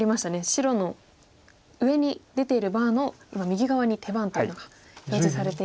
白の上に出ているバーの右側に「手番」というのが表示されています。